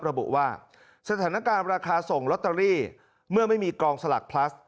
ระบุว่าสถานการณ์ราคาส่งลอตเตอรี่เมื่อไม่มีกองสลักพลัส